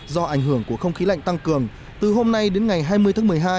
do ảnh hưởng của không khí lạnh tăng cường từ hôm nay đến ngày hai mươi tháng một mươi hai